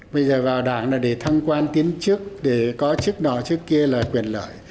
bây giờ vào đảng là để thăng quan tiến trước để có chức nọ trước kia là quyền lợi